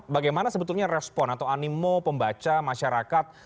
bagaimana sebetulnya respon atau animo pembaca masyarakat